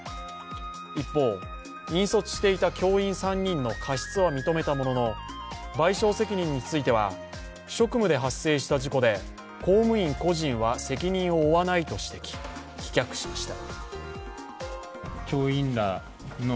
一方、引率していた教員３人の過失は認めたものの、賠償責任については職務で発生した事故で、公務員個人は責任を負わないと指摘、棄却しました。